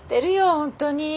本当に。